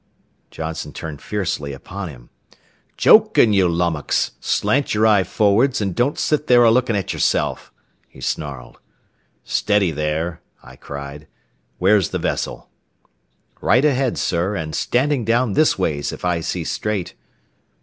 Johnson turned fiercely upon him. "Jokin', you lummax! Slant yer eye forrads, an' don't sit there a lookin' at yerself," he snarled. "Steady, there!" I cried. "Where's the vessel?" "Right ahead, sir, and standing down this ways, if I see straight."